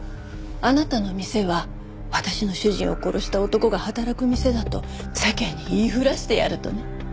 あなたの店は私の主人を殺した男が働く店だと世間に言いふらしてやるとね。